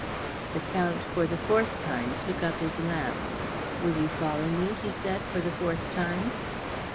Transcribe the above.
Count Otto for the fourth time took up his lamp. "Will you follow me?" he said for the fourth time.